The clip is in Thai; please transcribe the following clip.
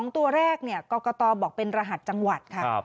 ตัวแรกกรกตบอกเป็นรหัสจังหวัดค่ะ